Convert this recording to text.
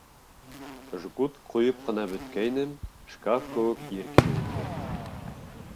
Жгут ҡуйып ҡына бөткәйнем, шкаф кеүек ир килеп инде.